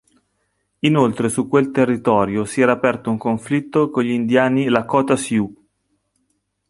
Inoltre su quel territorio si era aperto un conflitto con gli indiani Lakota Sioux.